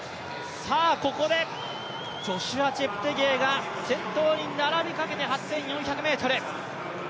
ここでジョシュア・チェプテゲイが先頭に並びかけて８４００ｍ。